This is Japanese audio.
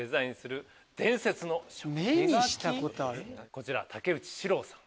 こちら竹内志朗さん。